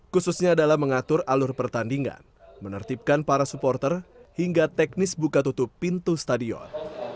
khususnya dalam mengatur alur pertandingan menertibkan para supporter hingga teknis buka tutup pintu stadion